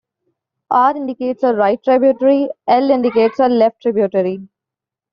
R indicates a right tributary, L indicates a left tributary.